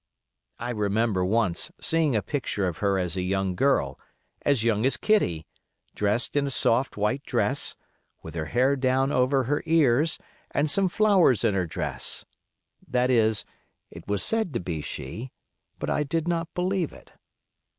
I remember once seeing a picture of her as a young girl, as young as Kitty, dressed in a soft white dress, with her hair down over her ears, and some flowers in her dress—that is, it was said to be she; but I did not believe it.